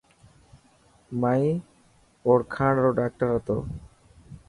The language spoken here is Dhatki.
مائي اوڙکاڻ رو ڊاڪٽر هتو.